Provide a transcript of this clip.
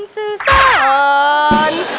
สื่อสาร